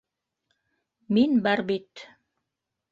Мин бар бит.